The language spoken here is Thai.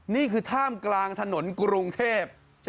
นี่คือท่ามกลางถนนกรุงเทพ